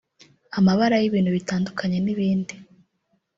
amabara y’ibintu bitandukanye n’ibindi